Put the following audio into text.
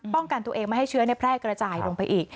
กันตัวเองไม่ให้เชื้อแพร่กระจายลงไปอีก